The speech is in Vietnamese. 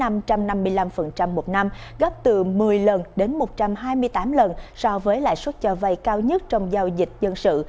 năm trăm năm mươi năm một năm gấp từ một mươi lần đến một trăm hai mươi tám lần so với lãi suất cho vay cao nhất trong giao dịch dân sự